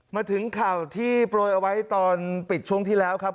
มาถึงข่าวที่โปรยเอาไว้ตอนปิดช่วงที่แล้วครับ